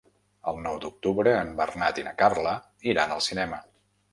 El nou d'octubre en Bernat i na Carla iran al cinema.